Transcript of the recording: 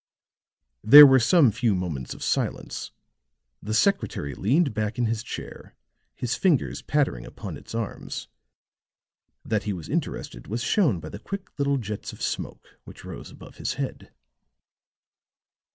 There were some few moments of silence; the secretary leaned back in his chair, his fingers pattering upon its arms; that he was interested was shown by the quick little jets of smoke which rose above his head.